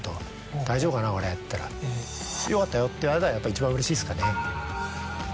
「大丈夫かな俺」って言ったら「良かったよ」って言われたらやっぱ一番うれしいですかね。